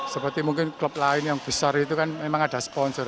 seperti mungkin klub lain yang besar itu kan memang ada sponsor